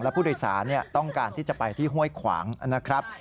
ผู้โดยสารต้องการที่จะไปที่ห้วยขวางนะครับ